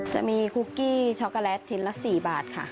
คุกกี้ช็อกโกแลตชิ้นละ๔บาทค่ะ